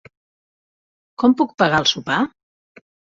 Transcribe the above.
Com puc pagar el sopar?